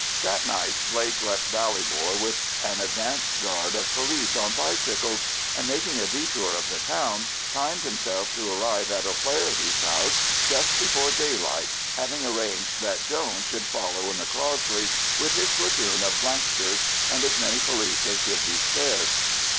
That night Blake left Ballybor with an advance guard of police on bicycles, and making a detour of the town, timed himself to arrive at O'Faherty's house just before daylight, having arranged that Jones should follow in the Crossleys with his platoon of Blankshires and as many police as could be spared.